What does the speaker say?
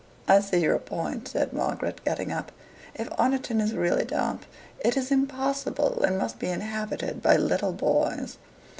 "I see your point," said Margaret, getting up. "If Oniton is really damp, it is impossible, and must be inhabited by little boys.